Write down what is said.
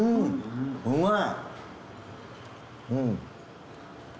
うまい！